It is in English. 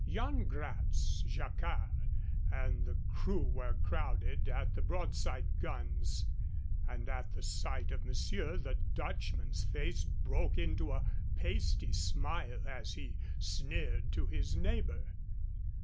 Yan Gratz, Jacquard, and the crew were crowded at the broadside guns, and at the sight of monsieur the Dutchman's face broke into a pasty smile as he sneered to his neighbor.